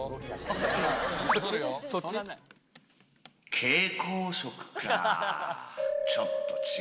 蛍光色かー。